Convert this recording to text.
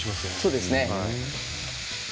そうですね。